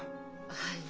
はい。